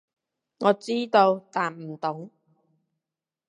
我知道，但唔懂